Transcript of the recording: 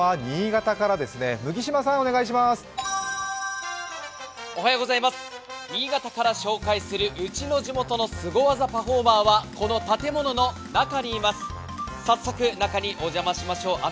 新潟から紹介する、うちの地元のスゴ技パフォーマーはこの建物の中にいます早速、中にお邪魔しましょう。